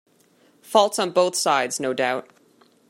Faults on both sides, no doubt.